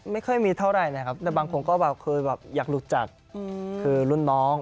ไม่เคยมีเท่าไรนะครับแต่บางคนก็คืออยากลุกจากรุ่นน้อง